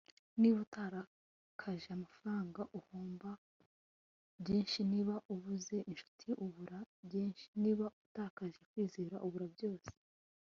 niba utakaje amafaranga uhomba byinshi, niba ubuze inshuti ubura byinshi, niba utakaje kwizera ubura byose